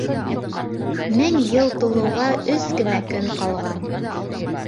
Мең йыл тулыуға өс кенә көн ҡалған.